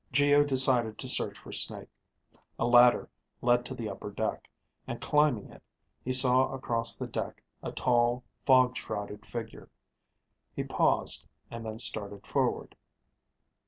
Geo decided to search for Snake. A ladder led to the upper deck, and climbing it, he saw across the deck a tall, fog shrouded figure. He paused, and then started forward.